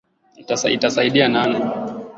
Huko Uingereza ulikuwa na makoloni kumi na tatu